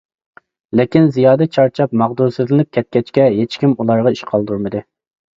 لېكىن زىيادە چارچاپ، ماغدۇرسىزلىنىپ كەتكەچكە، ھېچكىم ئۇلارغا ئىش قالدۇرمىدى.